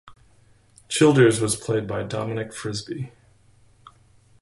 Childers was played by Dominic Frisby.